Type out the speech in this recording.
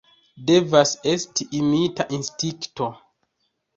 Devas esti la imita instinkto!